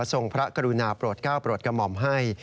ทรงพระกรุณาโปรดเก้าโปรดกมอมให้